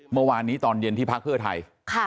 เมื่อวานนี้ตอนเย็นที่พักเพื่อไทย